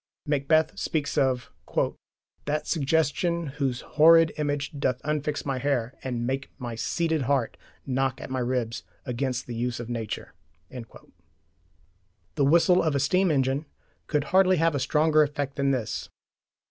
Macbeth speaks of that suggestion Whose horrid image doth unfix my hair And make my seated heart knock at my ribs Against the use of nature. The whistle of a steam engine could hardly have a stronger effect than this.